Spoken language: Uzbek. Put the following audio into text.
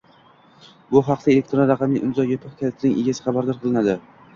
bu haqda elektron raqamli imzo yopiq kalitining egasi xabardor qilinadi.